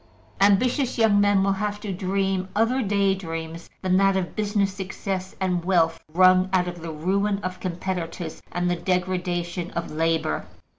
Ambitious young men will have to dream other daydreams than that of business success and wealth wrung out of the ruin of competitors and the degradation of labor.